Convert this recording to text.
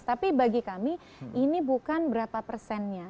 tapi bagi kami ini bukan berapa persennya